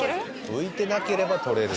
浮いてなければ取れる。